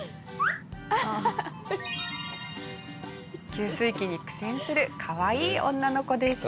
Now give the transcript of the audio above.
給水機に苦戦するかわいい女の子でした。